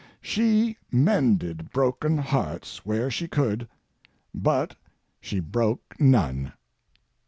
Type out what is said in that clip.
She mended broken hearts where she could, but she broke none.